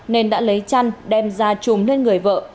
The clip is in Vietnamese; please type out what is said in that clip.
nên đã lấy chăn đem ra chùm lên người vợ